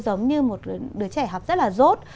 giống như một đứa trẻ học rất là rốt